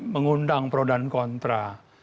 mengundang pro dan kontra